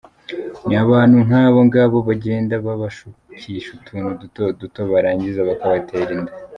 Ni abantu nk’abo ngabo bagenda babashukisha utuntu duto duto, barangiza bakabatera inda.